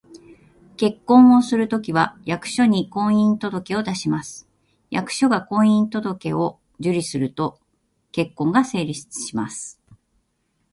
結婚をするときは、役所に「婚姻届」を出します。役所が「婚姻届」を受理すると、結婚が成立します